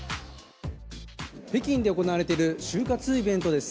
北京で行われている就活イベントです。